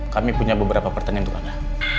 kami punya beberapa pertanyaan untuk anda